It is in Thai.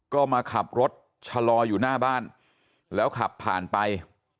ก็มาขับรถชะลออยู่หน้าบ้านแล้วขับผ่านไป